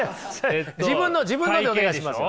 自分のでお願いします。